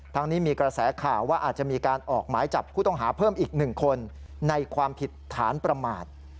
ทั้งนี้มีกระแสข่าวว่าอาจจะมีการออกหมายจับผู้ต้องหาเพิ่มอีก๑คนในความผิดฐานประมาท